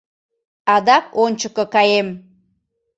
Адак ончыко каем.